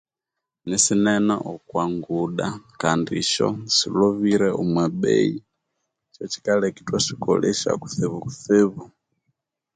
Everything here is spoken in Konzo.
Nisinene okwa nguda kandi isyo silhobire omwa beyi kya kyikaleka ithwasikolesya kutsibu kutsibu